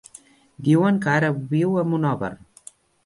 Diuen que ara viu a Monòver.